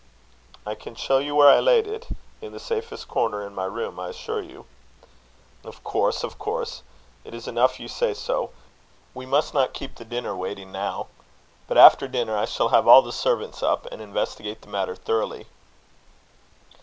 "I can show you where I laid it in the safest corner in my room, I assure you." "Of course, of course. It is enough you say so. We must not keep the dinner waiting now. But after dinner I shall have all the servants up, and investigate the matter thoroughly."